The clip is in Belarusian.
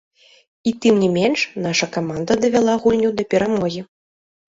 І тым не менш наша каманда давяла гульню да перамогі.